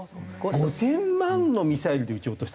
５０００万のミサイルで撃ち落としたんですよ。